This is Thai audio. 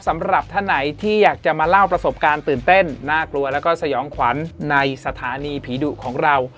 สำหรับท่านไหนที่อยากจะมาเล่าประสบการณ์ตื่นเต้นน่ากลัวแล้วก็สยองขวัญในสถานีผีดุของเรา